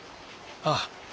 ああ。